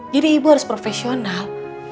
jadi ibu harus profesional